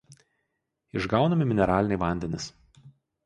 Išgaunami mineraliniai vandenys.